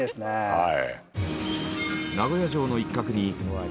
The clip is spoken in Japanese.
はい。